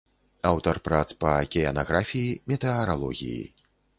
Аўтар прац па акіянаграфіі, метэаралогіі.